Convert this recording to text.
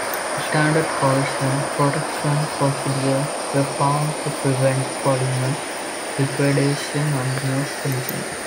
Standard corrosion protection procedures were found to prevent polymer degradation under most conditions.